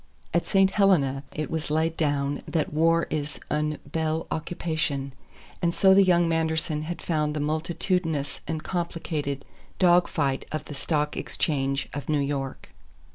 At St. Helena it was laid down that war is une belle occupation, and so the young Manderson had found the multitudinous and complicated dog fight of the Stock Exchange of New York.